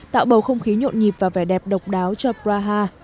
tạo bầu không khí nhộn nhịp và vẻ đẹp độc đáo cho praha